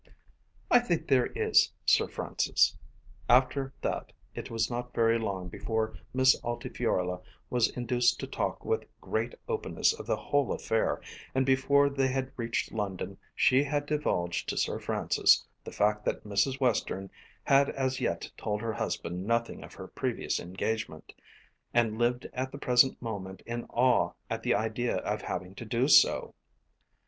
"I think there is, Sir Francis." After that it was not very long before Miss Altifiorla was induced to talk with great openness of the whole affair, and before they had reached London she had divulged to Sir Francis the fact that Mrs. Western had as yet told her husband nothing of her previous engagement, and lived at the present moment in awe at the idea of having to do so.